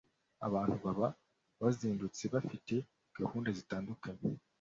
abantu baba bazindutse bafite gahunda zitandukanye